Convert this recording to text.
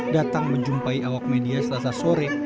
datang menjumpai awak media selasa sore